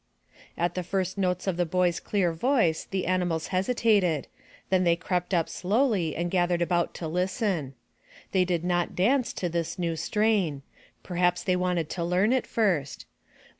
At the first notes of the boy's clear voice the animals hesitated; then they crept up slowly and gathered about to listen. They did not dance to this new strain. Perhaps they wanted to learn it first.